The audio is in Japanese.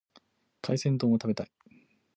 海鮮丼を食べたい。